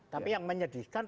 tapi yang menyedihkan